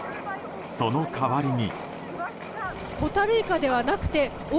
その代わりに。